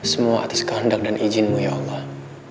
semua atas kehendak dan izinmu ya allah